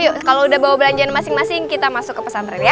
yuk kalau udah bawa belanjaan masing masing kita masuk ke pesantren ya